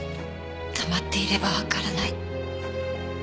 黙っていればわからない。